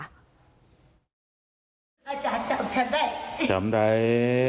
อาจารย์จำได้